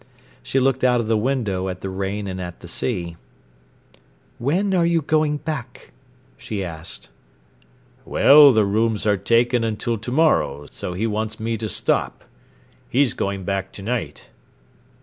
She looked out of the window at the rain and at the sea. "When are you going back?" she asked. "Well, the rooms are taken until to morrow, so he wants me to stop. He's going back to night."